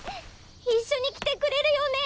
一緒に来てくれるよね？